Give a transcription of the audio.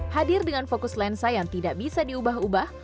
hadir dengan fokus lensa yang tidak bisa diubah ubah